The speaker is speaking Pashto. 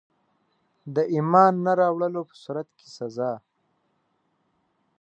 د ایمان نه راوړلو په صورت کي سزا.